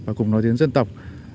và cùng nói tiếng dân tộc